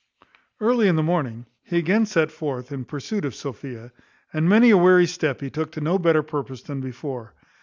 Early in the morning he again set forth in pursuit of Sophia; and many a weary step he took to no better purpose than before.